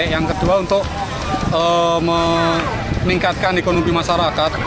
yang kedua untuk meningkatkan ekonomi masyarakat